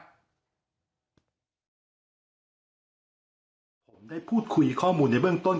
ผมได้พูดคุยข้อมูลในเบื้องต้น